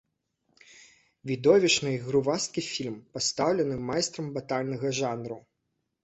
Відовішчны й грувасткі фільм, пастаўлены майстрам батальнага жанру.